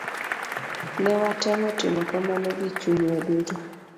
Ne watemo timo kamano gi chunywa duto.